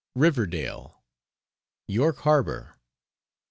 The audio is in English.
RIVERDALE. YORK HARBOR.